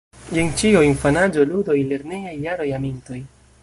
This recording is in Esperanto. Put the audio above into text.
Jen ĉio: infanaĝo, ludoj, lernejaj jaroj, amintoj.